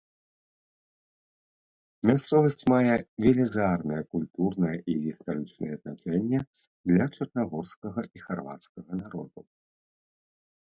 Мясцовасць мае велізарнае культурнае і гістарычнае значэнне для чарнагорскага і харвацкага народаў.